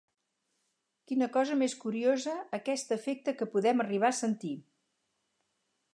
Quina cosa més curiosa aquest afecte que podem arribar a sentir